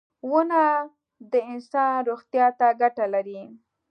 • ونه د انسان روغتیا ته ګټه لري.